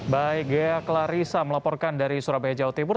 baik ghea klarissa melaporkan dari surabaya jawa timur